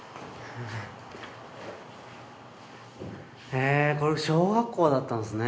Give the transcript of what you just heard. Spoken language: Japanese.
へぇこれ小学校だったんですね。